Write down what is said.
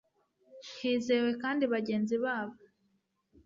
hizewe kandi bagenzi babo